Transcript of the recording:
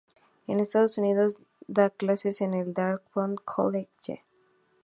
En Estados Unidos da clases en el Dartmouth College.